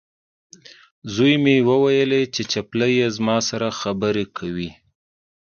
زوی مې وویلې، چې چپلۍ یې زما سره خبرې کوي.